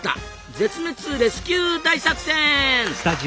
絶滅レスキュー大作戦」！